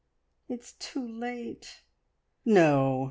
It's too late." "No!"